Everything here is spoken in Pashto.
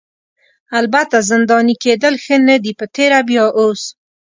البته زنداني کیدل ښه نه دي په تېره بیا اوس.